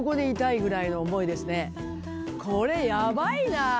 これやばいな。